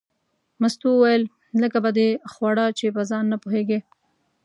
مستو وویل لږه به دې خوړه چې په ځان نه پوهېږې.